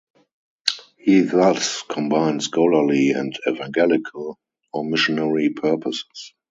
He thus combined scholarly and evangelical or missionary purposes.